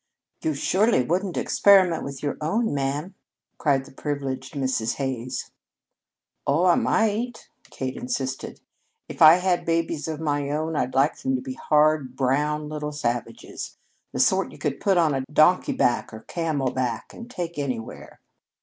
"You surely wouldn't experiment with your own, ma'am!" cried the privileged Mrs. Hays. "Oh, I might," Kate insisted. "If I had babies of my own, I'd like them to be hard, brown little savages the sort you could put on donkey back or camel back and take anywhere."